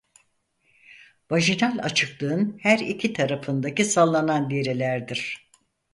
Vajinal açıklığın her iki tarafındaki sallanan derilerdir.